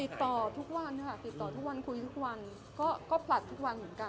ติดต่อทุกวันค่ะติดต่อทุกวันคุยทุกวันก็ผลัดทุกวันเหมือนกัน